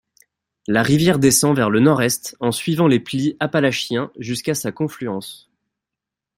La rivière descend vers le nord-est en suivant les plis appalachiens jusqu'à sa confluence.